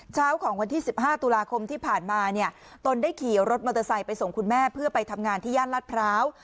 เช้าของวันที่๑๕ตุลาคมที่ผ่านมาเนี่ยตนได้ขี่รถมอเตอร์ไซค์ไปส่งคุณแม่เพื่อไปทำงานที่ย่านรัฐพร้าว